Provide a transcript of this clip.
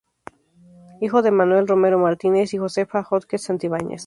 Hijo de Manuel Romero Martínez y Josefa Hodges Santibáñez.